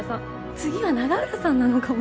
次は永浦さんなのかも。